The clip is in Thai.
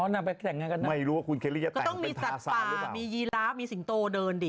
น่าไปแต่งยังไงกันนะไม่รู้ว่าคุณแคลรี่จะแต่งเป็นทาสารหรือเปล่าก็ต้องมีสัตว์ป่ามียีร้ามีสิงโตเดินดิ